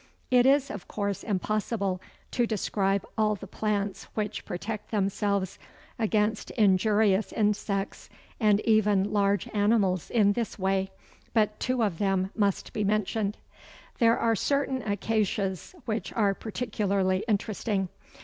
It is of course impossible to describe all the plants which protect themselves against injurious insects and even large animals in this way, but two of them must be mentioned. There are certain Acacias which are particularly interesting.